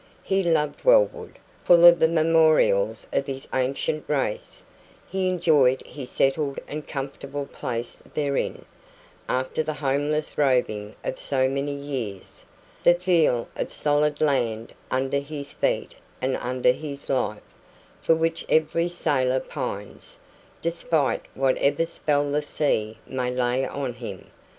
He loved Wellwood, full of the memorials of his ancient race; he enjoyed his settled and comfortable place therein, after the homeless roving of so many years the feel of solid land under his feet and under his life, for which every sailor pines, despite whatever spell the sea may lay on him.